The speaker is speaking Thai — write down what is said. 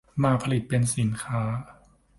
มาผลิตเป็นสินค้า